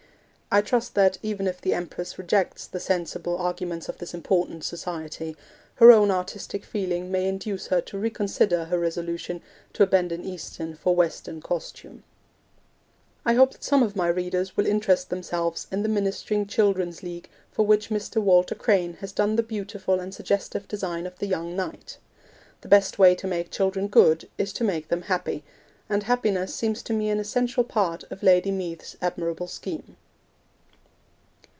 I trust that, even if the Empress rejects the sensible arguments of this important Society, her own artistic feeling may induce her to reconsider her resolution to abandon Eastern for Western costume. I hope that some of my readers will interest themselves in the Ministering Children's League for which Mr. Walter Crane has done the beautiful and suggestive design of The Young Knight. The best way to make children good is to make them happy, and happiness seems to me an essential part of Lady Meath's admirable scheme.